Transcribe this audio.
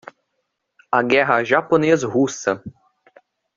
A Guerra Japonês-Russa